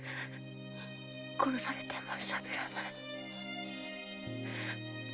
殺されてもしゃべらない。